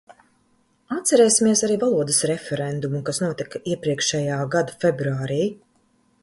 Atcerēsimies arī valodas referendumu, kas notika iepriekšējā gada februārī!